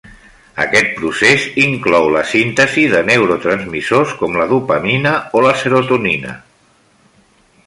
Aquest procés inclou la síntesi de neurotransmissors com la dopamina, serotonina.